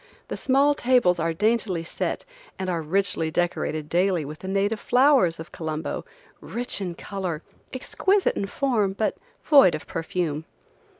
The small tables are daintily set and are richly decorated daily with the native flowers of Colombo, rich in color, exquisite in form, but void of perfume.